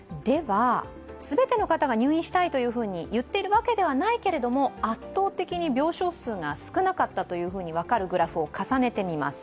全ての方が入院したいと言っているわけではないけれども、圧倒的に病床数が少なかったと分かるグラフを重ねてみます。